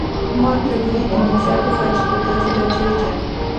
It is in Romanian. Nu ar trebui inițiate facilități de acest gen.